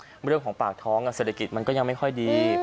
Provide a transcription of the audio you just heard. เรื่องของปากท้องเศรษฐกิจมันก็ยังไม่ค่อยดี